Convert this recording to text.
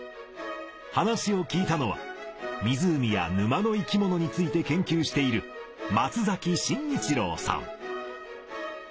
話を聞いたのは湖や沼の生き物について研究している松崎慎一郎さん。